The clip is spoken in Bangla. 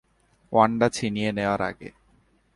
ওয়ান্ডা ছিনিয়ে নেয়ার আগে।